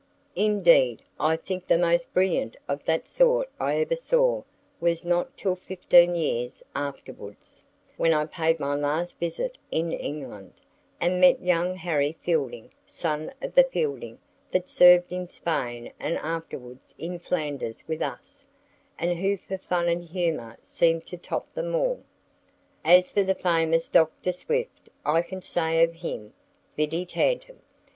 Indeed I think the most brilliant of that sort I ever saw was not till fifteen years afterwards, when I paid my last visit in England, and met young Harry Fielding, son of the Fielding that served in Spain and afterwards in Flanders with us, and who for fun and humor seemed to top them all. As for the famous Dr. Swift, I can say of him, "Vidi tantum."